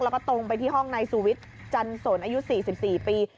แล้วก็ตรงไปที่ห้องนายสุวิทย์จันสนอายุ๔๔ปี